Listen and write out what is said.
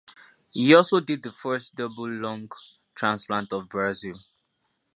He also did the first double lung transplant of Brazil.